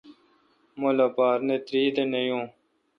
مہ لوپار نہ تہ تیردہ نہ یون۔